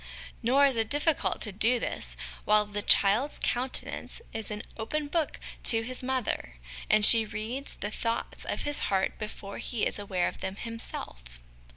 Nor is it difficult to do this while the child's countenance is as an open book to his mother, and she reads the thoughts of his heart before he is aware of them himself.